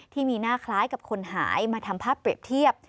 ที่มีหน้าคล้ายกับคนหายมาทำภาพเปรียบเทียบ